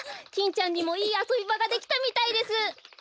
キンちゃんにもいいあそびばができたみたいです。